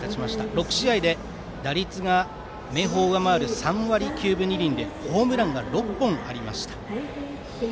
６試合で打率が明豊を上回る３割９分２厘でホームランが６本ありました。